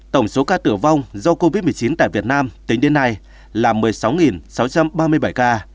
tổng số ca tử vong do covid một mươi chín tại việt nam tính đến nay là một mươi sáu sáu trăm ba mươi bảy ca